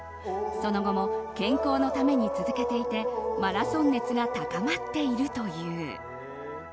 その後も健康のために続けていてマラソン熱が高まっているという。